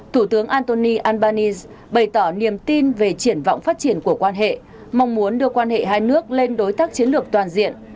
thủ tướng antoni albanese bày tỏ niềm tin về triển vọng phát triển của quan hệ mong muốn đưa quan hệ hai nước lên đối tác chiến lược toàn diện